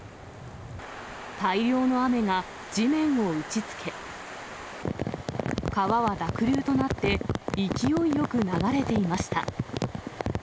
大量の雨が地面を打ちつけ、川は濁流となって、勢いよく流れていました。